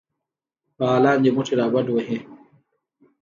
فعالان دي مټې رابډ وهي.